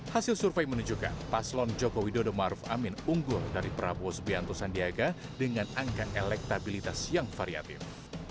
hasil survei menunjukkan paslon joko widodo maruf amin unggul dari prabowo subianto sandiaga dengan angka elektabilitas yang variatif